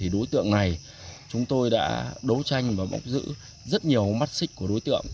đối tượng này chúng tôi đã đấu tranh và bốc giữ rất nhiều mắt xích của đối tượng